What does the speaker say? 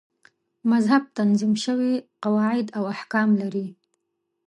مذهب تنظیم شوي قواعد او احکام لري.